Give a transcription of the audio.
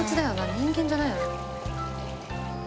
人間じゃないよね？